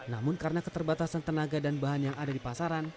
namun karena keterbatasan tenaga dan bahan yang ada di pasaran